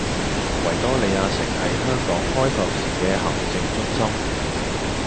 維多利亞城係香港開埠時嘅行政中心